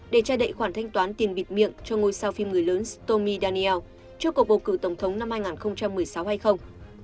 để che đậy khoản thanh toán tiền bịt miệng cho ngôi sao phim người lớn stomi daniel trước cuộc bầu cử tổng thống năm hai nghìn một mươi sáu hay không